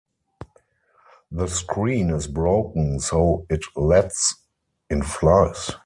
The screen is broken so it lets in flies.